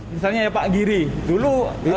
misalnya ya pak giri dulu